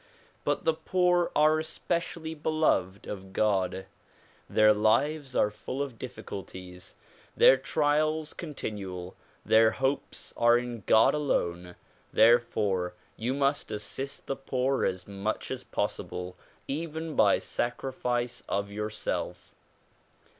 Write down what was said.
But the poor are especially beloved of God, Their lives are full of difficulties, their trials con tinual, their hopes are in God alone. Therefore you must assist the poor as much as possible, even by sacrifice of yourself.